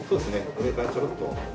上からちょろっと。